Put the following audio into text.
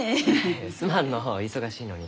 すまんのう忙しいのに。